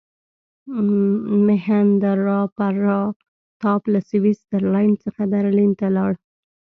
میهندراپراتاپ له سویس زرلینډ څخه برلین ته ولاړ.